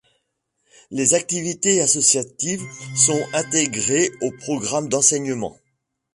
Les activités associatives sont intégrées au programme d'enseignement.